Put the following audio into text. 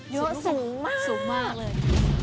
ยกสูงมากเลยสูงมากเลย